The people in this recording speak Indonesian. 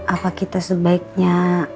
apa kita sebaiknya